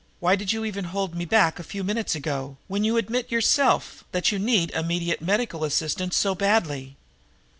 Why did you even hold me back a few minutes ago, when you admit yourself that you need immediate medical assistance so badly?"